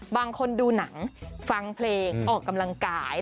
บางคนดูหนังฟังเพลงออกกำลังกาย